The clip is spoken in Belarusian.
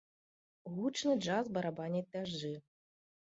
Гучны джаз барабаняць дажджы.